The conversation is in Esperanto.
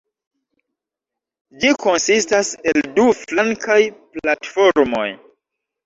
Ĝi konsistas el du flankaj platformoj.